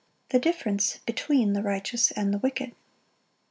The difference between the righteous and the wicked.